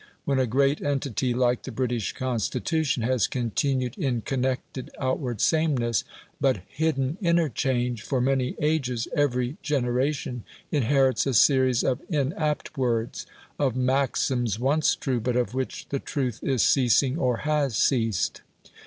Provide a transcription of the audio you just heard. When a great entity like the British Constitution has continued in connected outward sameness, but hidden inner change, for many ages, every generation inherits a series of inapt words of maxims once true, but of which the truth is ceasing or has ceased.